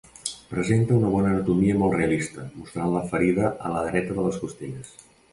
Presenta una bona anatomia molt realista, mostrant la ferida a la dreta de les costelles.